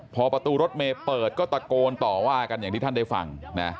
พอประตูรถเมย์เปิดก็ตะโกนต่อว่ากันอย่างที่ท่านได้ฟังนะ